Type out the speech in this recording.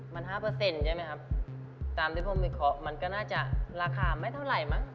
มันห้าเปอร์เซ็นต์ใช่ไหมครับตามที่ผมมีขอมันก็น่าจะราคาไม่เท่าไหร่มั้ง